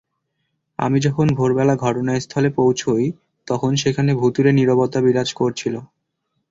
আমি যখন ভোরবেলা ঘটনাস্থলে পৌঁছাই, তখন সেখানে ভুতুড়ে নীরবতা বিরাজ করছিল।